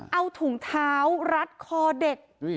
เอาถุงเท้ารัดคอเด็ก